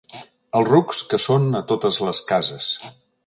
Els rucs que són a totes les cases.